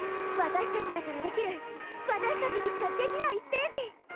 私たちだからできる私たちにしかできないステージ。